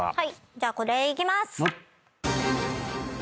じゃあこれいきます。